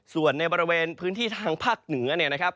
ส่วนในบริเวณพื้นที่ทางภาคเหนือเนี่ยนะครับ